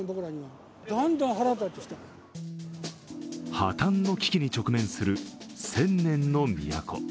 破綻の危機に直面する千年の都。